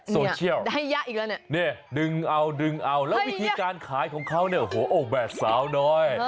โซเชียลเนี่ยดึงเอาแล้ววิธีการขายของเขาเนี่ยโอ้โหแบบสาวน้อย